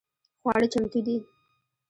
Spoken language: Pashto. خواړه چمتو دي؟